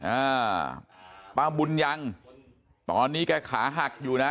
อ่าป้าบุญยังตอนนี้แกขาหักอยู่นะ